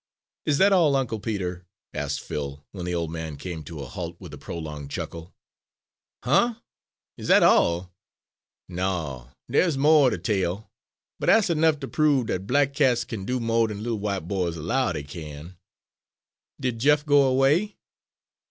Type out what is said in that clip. _'" "Is that all, Uncle Peter?" asked Phil, when the old man came to a halt with a prolonged chuckle. "Huh?" "Is that all?" "No, dey's mo' er de tale, but dat's ernuff ter prove dat black cats kin do mo' dan little w'ite boys 'low dey kin." "Did Jeff go away?"